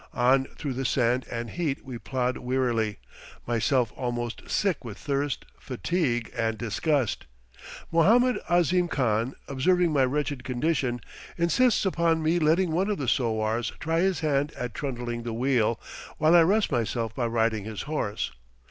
On through the sand and heat we plod wearily, myself almost sick with thirst, fatigue, and disgust. Mohammed Ahzim Khan, observing my wretched condition, insists upon me letting one of the sowars try his hand at trundling the wheel, while I rest myself by riding his horse.